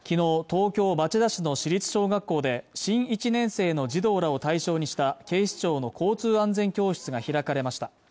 東京町田市の市立小学校で新１年生の児童らを対象にした警視庁の交通安全教室が開かれました